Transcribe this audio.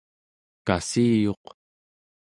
kassiyuq